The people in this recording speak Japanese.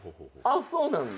そうなんだ。